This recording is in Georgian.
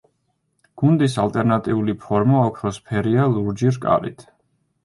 გუნდის ალტერნატიული ფორმა ოქროსფერია ლურჯი რკალით.